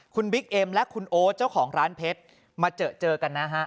คุณบิ๊กเอ็มและคุณโอ๊ตเจ้าของร้านเพชรมาเจอเจอกันนะฮะ